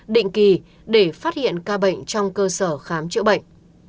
định kỳ để phát hiện ca bệnh trong cơ sở khám chữa bệnh